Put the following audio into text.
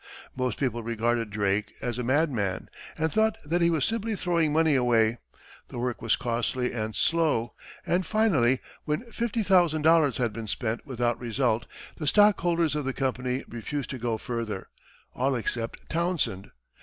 Most people regarded Drake as a madman, and thought that he was simply throwing money away. The work was costly and slow, and finally, when $50,000 had been spent without result, the stockholders of the company refused to go further all except Townsend.